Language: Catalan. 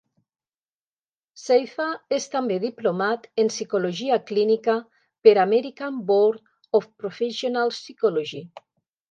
Safer és també Diplomat en Psicologia Clínica, per American Board of Professional Psychology.